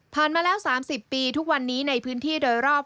มาแล้ว๓๐ปีทุกวันนี้ในพื้นที่โดยรอบ